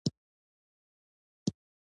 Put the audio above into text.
ایا زه باید مربا وخورم؟